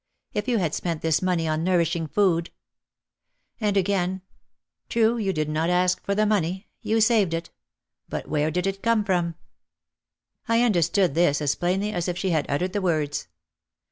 If you had spent this money on nourishing food " And again, "True, you did not ask for the money, you saved it. But where did it come from?" I understood this as plainly as if she had uttered the words.